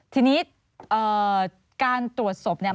ทีนี้การตรวจศพเนี่ย